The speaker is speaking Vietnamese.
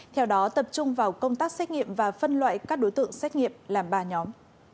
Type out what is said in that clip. theo đó tập trung vào công tác xét nghiệm và phân loại các đối tượng xét nghiệm làm ba nhóm